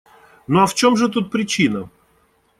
Ну а в чем же тут причина?